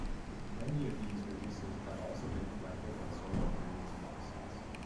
Many of these releases have also been collected and sold in various box sets.